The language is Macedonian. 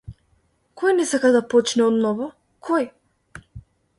Кој не сака да почне одново, кој?